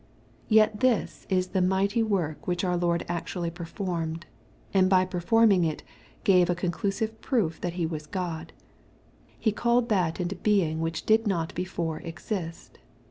Yet this is the mighty work which our Lord actually performed, and by performing it gave a conclusive proof that He was Qod. He called that into being which did not before exist.